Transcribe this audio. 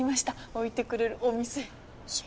置いてくれるお店。